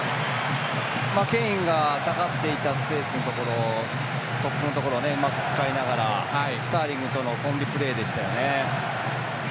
ケインが下がっていたスペースのところトップのところをうまく使ってスターリングとのコンビプレーでしたよね。